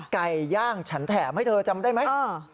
ไก่ย่างฉันแถมให้เธอจำได้ไหม